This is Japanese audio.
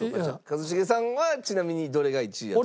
一茂さんはちなみにどれが１位やと？